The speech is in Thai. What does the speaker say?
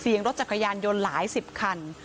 รถจักรยานยนต์หลายสิบคัน